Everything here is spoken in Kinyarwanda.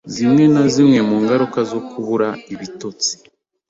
zimwe na zimwe mu ngaruka zo kubura ibitotsi,